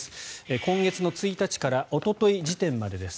今月の１日からおととい時点までです。